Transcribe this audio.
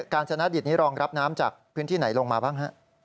การชนะดิตนี้รองรับน้ำจากพื้นที่ไหนลงมาบ้างฮะ